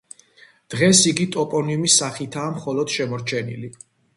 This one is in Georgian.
დღეს იგი ტოპონიმის სახითაა მხოლოდ შემორჩენილი.